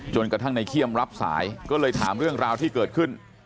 กระทั่งในเขี้ยมรับสายก็เลยถามเรื่องราวที่เกิดขึ้น